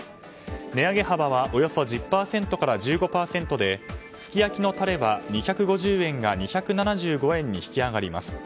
値上げ幅はおよそ１０％から１５％ですき焼のたれは２５０円が２７５円に引き上がります。